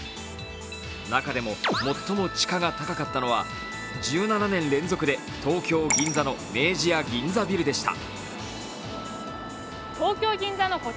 中でも最も地価が高かったのは１７年連続で東京・銀座の明治屋銀座ビルでした。